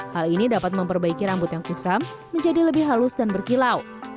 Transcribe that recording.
hal ini dapat memperbaiki rambut yang kusam menjadi lebih halus dan berkilau